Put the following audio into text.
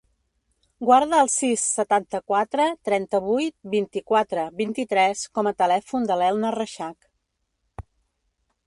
Guarda el sis, setanta-quatre, trenta-vuit, vint-i-quatre, vint-i-tres com a telèfon de l'Elna Reixach.